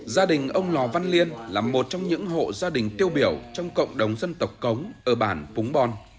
gia đình ông lò văn liên là một trong những hộ gia đình tiêu biểu trong cộng đồng dân tộc cống ở bản phúng bon